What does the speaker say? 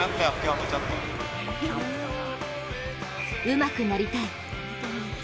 うまくなりたい。